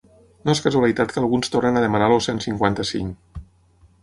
No és casualitat que alguns tornin a demanar el cent cinquanta-cinc.